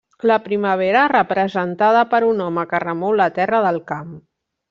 La primavera, representada per un home que remou la terra del camp.